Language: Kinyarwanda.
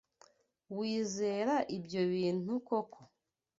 Wizera ibyo bintu koko?